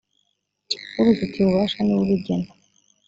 ubifitiye ububasha niwe ubigena.